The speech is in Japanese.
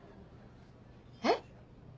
えっ？